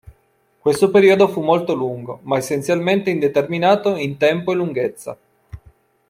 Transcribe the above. Questo periodo fu molto lungo, ma essenzialmente indeterminato in tempo e lunghezza.